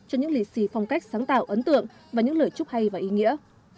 cho những lì xì phong cách sáng tạo ấn tượng và những lời chúc hay và ý nghĩa